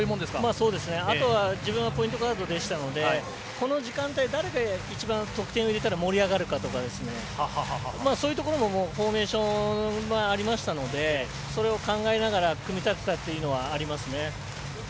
あとは自分はポイントガードでしたのでこの時間帯、誰が一番得点を入れたら盛り上がるかとかそういうところもフォーメーションがありましたのでそれを考えながら組み立てたというのはありますね。